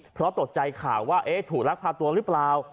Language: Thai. เพราะตกใจข่าวว่าถูกลักพาตัวหรือเปล่า